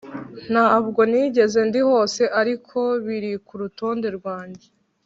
ntabwo nigeze ndi hose, ariko biri kurutonde rwanjye.